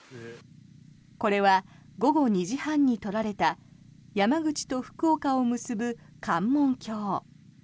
これは午後２時半に撮られた山口と福岡を結ぶ関門橋。